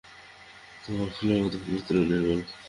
তোমরা ফুলের মত পবিত্র ও নির্মল।